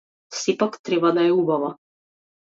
Сепак треба да е убава.